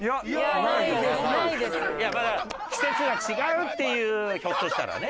いやまあ季節が違うっていうひょっとしたらね。